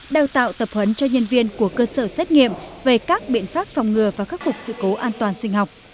đào tạo tập huấn cho nhân viên của cơ sở xét nghiệm về các biện pháp phòng ngừa và khắc phục sự cố an toàn sinh học